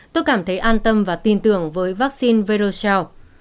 tôi cảm thấy an tâm và tin tưởng với vaccine verosel